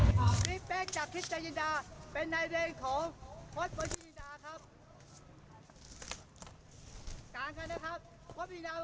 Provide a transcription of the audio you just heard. ค่ะนี่แป๊กจากทิศจัยยินดาเป็นนายเรียนของพฤษประชินิดาครับ